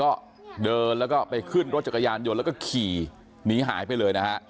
ก็เดินแล้วก็ไปขึ้นรถจักรยานยนต์แล้วก็ขี่หนีหายไปเลยนะฮะ